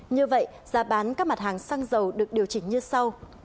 như vậy giá bán các mặt hàng xăng dầu được điều chỉnh như sau